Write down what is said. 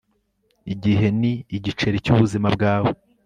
igihe ni igiceri cy'ubuzima bwawe